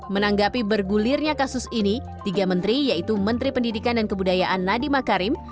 menanggapi bergulirnya kasus ini tiga menteri yaitu menteri pendidikan dan kebudayaan nadiem makarim